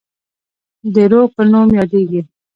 د روه په نوم یادیږي.